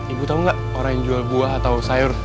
ibu tahu nggak orang yang jual buah atau sayur